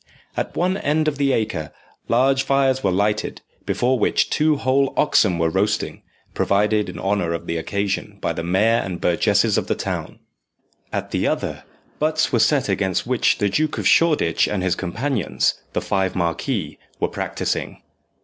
At one end of the Acre large fires were lighted, before which two whole oxen were roasting, provided in honour of the occasion by the mayor and burgesses of the town; at the other, butts were set against which the Duke of Shoreditch and his companions, the five marquises, were practising.